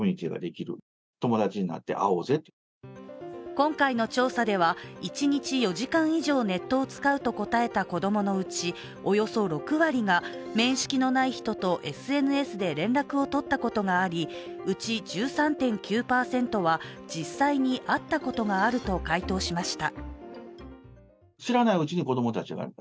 今回の調査では一日４時間以上ネットを使うと答えた子供のうちおよそ６割が、面識のない人とＳＮＳで連絡を取ったことがありうち１３．９％は実際に会ったことがあると回答しました。